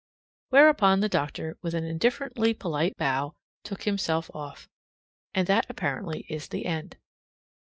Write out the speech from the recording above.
Whereupon the doctor, with an indifferently polite bow, took himself off. And that apparently is the end.